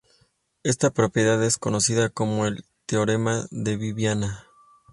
Esta propiedad es conocida como el teorema de Viviani.